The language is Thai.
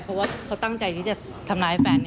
เพราะว่าเขาตั้งใจที่จะทำร้ายแฟน